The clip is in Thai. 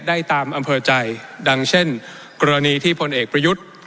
ได้ตามอำเภอใจดังเช่นกรณีที่พลเอกประยุทธ์